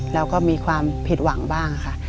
เราก็มีความผิดหวังบ้างค่ะ